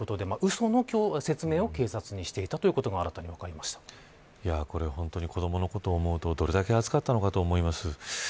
その説明を警察にしていたということが本当に子どものことを思うとどれだけ暑かったのかと思います。